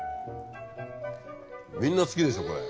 みんな好きでしょこれ。